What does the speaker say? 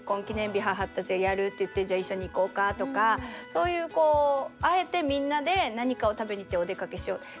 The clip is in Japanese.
記念日母たちがやるって言ってじゃあ一緒に行こうかとかそういうこうあえてみんなで何かを食べに行ってお出かけしよう。